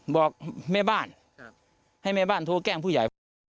บอกแม่บ้านให้แม่บ้านโทรแกล้งผู้ใหญ่บ้าน